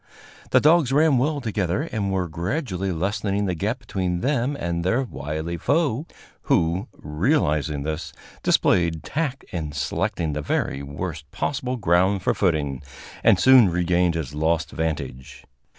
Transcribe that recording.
The dogs ran well together, and were gradually lessening the gap between them and their wily foe, who, realizing this, displayed tact in selecting the very worst possible ground for footing, and soon regained his lost vantage.